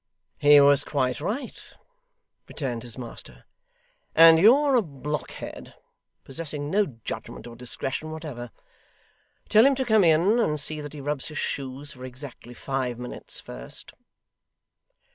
'He was quite right,' returned his master, 'and you're a blockhead, possessing no judgment or discretion whatever. Tell him to come in, and see that he rubs his shoes for exactly five minutes first.